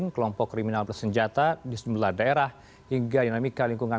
kelompok kriminal bersenjata di sejumlah daerah hingga dinamika lingkungan